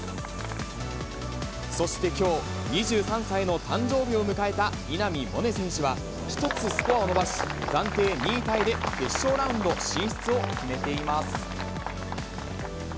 そしてきょう、２３歳の誕生日を迎えた稲見萌寧選手は、１つスコアを伸ばし、暫定２位タイで決勝ラウンド進出を決めています。